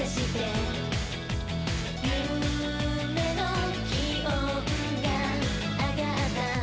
「夢の気温が上がった」